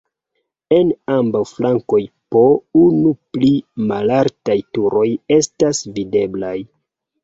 En ambaŭ flankoj po unu pli malaltaj turoj estas videblaj.